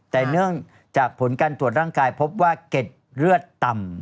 แต่เนื่องจากผลการตรวจร่างกายพบว่าเก็ดเลือดต่ำ